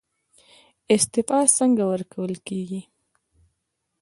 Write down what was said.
استعفا څنګه ورکول کیږي؟